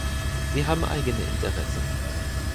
Sie haben eigene Interessen.